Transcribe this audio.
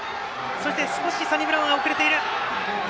そして少しサニブラウンは遅れている。